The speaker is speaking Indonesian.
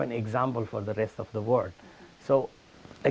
dan menetapkan contoh untuk seluruh dunia